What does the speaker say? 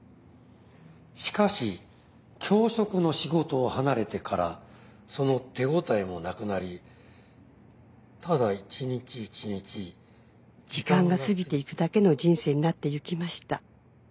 「しかし教職の仕事を離れてからその手応えもなくなりただ一日一日」「時間が過ぎていくだけの人生になってゆきました」